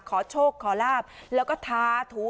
ขอโชคขอลาบแล้วก็ทาถู